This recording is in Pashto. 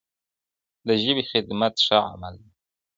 د ژبې خدمت ښه عمل دی.